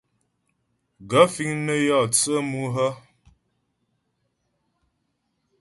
Gaə̂ fíŋ nə́ yɔ tsə́ mú hə́ ?